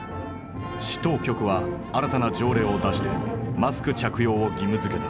市当局は新たな条例を出してマスク着用を義務付けた。